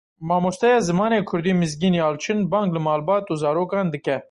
Mamosteya Zimanê kurdî Mizgîn Yalçin bang li malbat û zarokan dike.